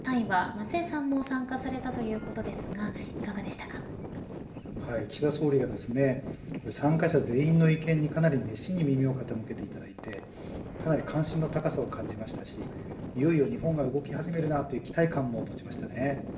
松江さんも参加されたということですが岸田総理が、参加者全員の意見にかなり熱心に耳を傾けていただいてかなり関心の高さを感じましたしいよいよ日本が動き始めるなという期待感も持ちました。